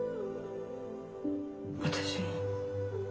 私も。